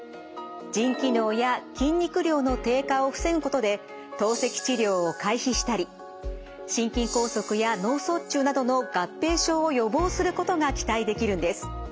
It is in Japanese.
腎機能や筋肉量の低下を防ぐことで透析治療を回避したり心筋梗塞や脳卒中などの合併症を予防することが期待できるんです。